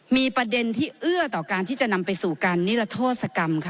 มีประเด็นที่เอื้อต่อการที่จะนำไปสู่การนิรโทษกรรมค่ะ